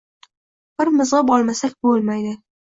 Bir mizg‘ib olmasak bo‘lmaydi.